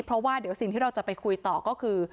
เพราะว่าเดี๋ยวสิ่งที่เราจะไปคุยต่อก็คือ